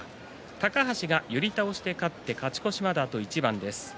高橋が寄り倒しで勝って勝ち越しまであと一番です。